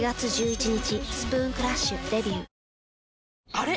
あれ？